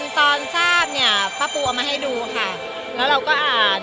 ตอนทราบเนี่ยป้าปูเอามาให้ดูค่ะแล้วเราก็อ่าน